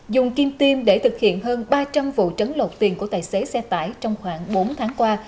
dùng kim tiêm để thực hiện hơn ba trăm linh vụ trấn lột tiền của tài xế xe tải trong khoảng bốn tháng qua